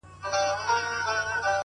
• پښتین ته:,